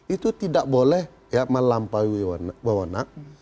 itu tidak boleh melampaui wawonang